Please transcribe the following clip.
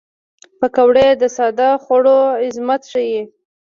پکورې د ساده خوړو عظمت ښيي